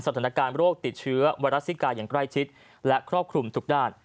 สถานการณ์โรคติดเชื้อไวรัสซิกาอย่างใกล้ชิดและครอบคลุมทุกด้าน